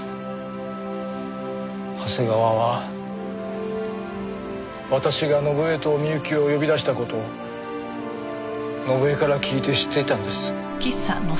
長谷川は私が伸枝と美雪を呼び出した事を伸枝から聞いて知っていたんです。